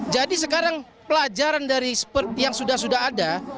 jadi sekarang pelajaran dari yang sudah sudah ada